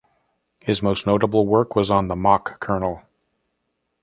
His most notable work was on the Mach kernel.